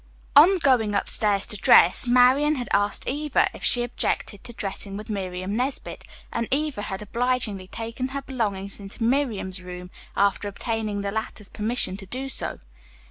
On going upstairs to dress, Marian had asked Eva Allen if she objected to dressing with Miriam Nesbit, and Eva had obligingly taken her belongings into Miriam's room after obtaining the latter's permission to do so.